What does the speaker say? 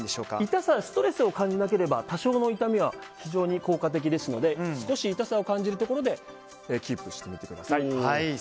痛さはストレスを感じなければ多少の痛みは非常に効果的ですので少し痛さを感じるところでキープしてみてください。